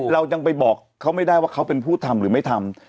เรายังไปบอกเขาไม่ได้ว่าเขาเป็นผู้ทำหรือไม่ทำ